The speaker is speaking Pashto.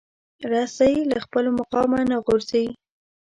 رسۍ له خپل مقامه نه غورځي.